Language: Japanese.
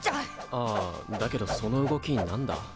ああだけどその動きなんだ？